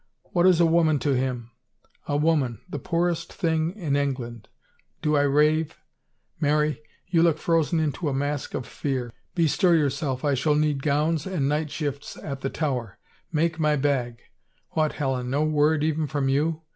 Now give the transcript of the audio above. What is a woman to him? A woman — the poorest thing in England — Do I rave ? Mary, you look frozen into a mask of fear. Bestir yourself, I shall need gowns and night shifts at the Tower. Make my bag. What, Helen, no word, even from you?